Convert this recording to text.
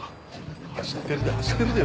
走ってるで走ってるで。